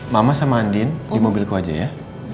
mama sama andin di mobilku aja ya